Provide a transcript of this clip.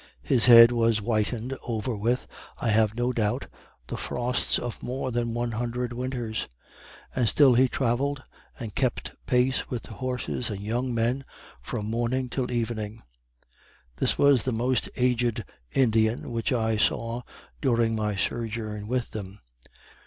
His head was whitened over with, I have no doubt, the frosts of more than one hundred winters, and still he travelled, and kept pace with the horses and young men, from morning till evening. This was the most aged Indian which I saw during my sojourn with them.